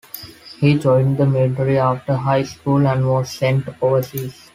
He joined the military after high school and was sent overseas.